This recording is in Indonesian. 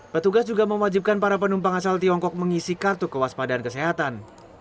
petugas juga mewajibkan para penumpang asal tiongkok mengisi kartu kewaspadaan kesehatan